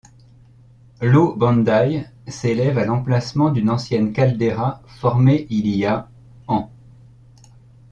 L'O-Bandai s'élève à l'emplacement d'une ancienne caldeira formée il y a ans.